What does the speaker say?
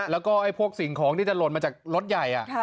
แล้วก็พวกสิ่งของที่จะหล่นมาจากรถใหญ่